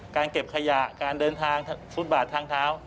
เก็บขยะการเดินทางฟุตบาททางเท้า